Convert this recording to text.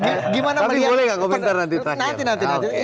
tapi boleh nggak komentar nanti terakhir